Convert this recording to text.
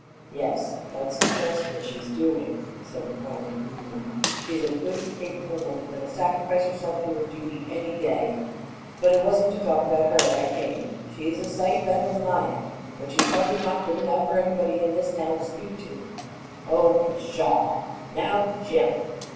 "Yes, that's just what she's doing," said the farmer gloomily. "She's a good, capable woman that'll sacrifice herself to her duty any day. But it wasn't to talk about her I came. She's a sight better than I am, but she's probably not good enough for anybody in this town to speak to." "Oh, pshaw; now, Jim!"